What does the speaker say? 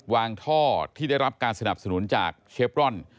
ท่อที่ได้รับการสนับสนุนจากเชฟรอน